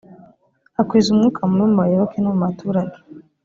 akwiza umwuka mubi mu bayoboke no mu baturage